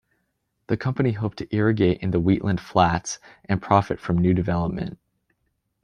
The company hoped to irrigate in the Wheatland Flats and profit from new development.